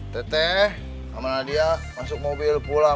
teh teh sama nadia masuk mobil pulang